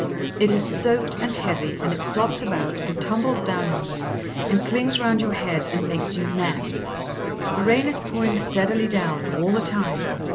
It is soaked and heavy, and it flops about, and tumbles down on you, and clings round your head and makes you mad. The rain is pouring steadily down all the time.